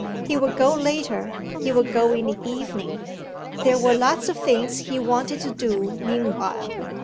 He would go later; he would go in the evening. There were lots of things he wanted to do meanwhile.